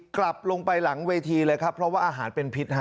กลับลงไปหลังเวทีเลยครับเพราะว่าอาหารเป็นพิษฮะ